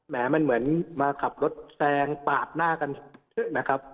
แม้มันเหมือนมาขับรถแซงปากหน้ากันนะครับ